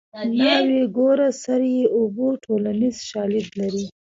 ناوې ګوره سر یې اوبه ټولنیز شالید لري